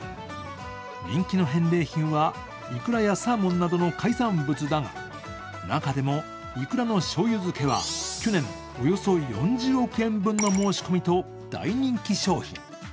人気の返礼品は、いくらやサーモンなどの海産物だが、中でもいくらのしょうゆ漬けは去年およそ４０億円分の申し込みと大人気商品。